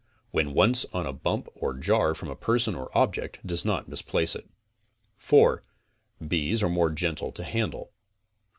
When once on a bump or jar from person or object does not misplace it. 4, Bees are more gentle to handle.